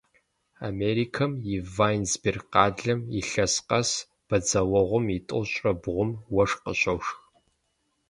Америкэм и Вайнсберг къалэм илъэс къэс бадзэуэгъуэм и тӏощӏрэ бгъум уэшх къыщошх.